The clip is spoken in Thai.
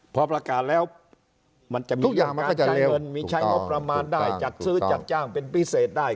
พอประกาศแล้วมันจะมีโอกาสทายเงินมีการใช้งบระมาณได้จากซื้อจากจ้างเป็นพิเศษได้